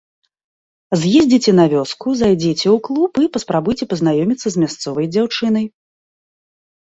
З'ездзіце на вёску, зайдзіце ў клуб і паспрабуйце пазнаёміцца з мясцовай дзяўчынай.